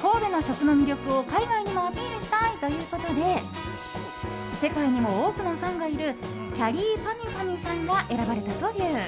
神戸の食の魅力を、海外にもアピールしたいということで世界にも多くのファンがいるきゃりーぱみゅぱみゅさんが選ばれたという。